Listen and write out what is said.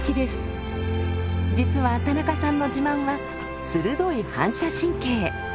実は田中さんの自慢は鋭い反射神経。